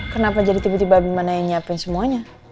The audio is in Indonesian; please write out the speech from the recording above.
kenapa jadi tiba tiba abimana yang nyiapin semuanya